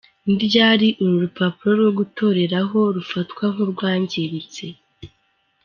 Ni ryari uru rupapuro rwo gutoreraho rufatwa nk’urwangiritse ?